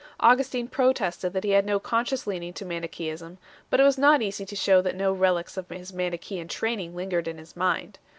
Augustin protested that he had no conscious leaning to Manichasism, but it was not easy to shew that no relics of his Manichsean training lingered in his mind.